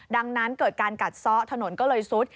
ดังนั้นเกิดการกัดซ้อถนนก็เลยซุด